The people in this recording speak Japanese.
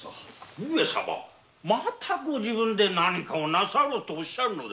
上様またご自分で何かなさろうとおっしゃるのですか。